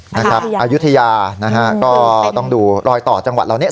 อายุทยานะฮะก็ต้องดูรอยต่อจังหวัดเหล่านี้